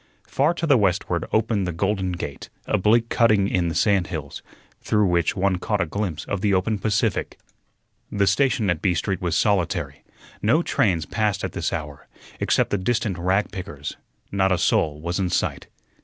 Far to the westward opened the Golden Gate, a bleak cutting in the sand hills, through which one caught a glimpse of the open Pacific. The station at B Street was solitary; no trains passed at this hour; except the distant rag pickers, not a soul was in sight.